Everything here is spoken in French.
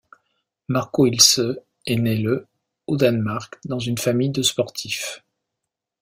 Marco Ilsø est né le au Danemark dans une famille de sportifs.